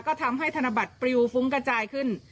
ก็ทำให้ธนบัตรปลิวฟุ้งกระจายขึ้น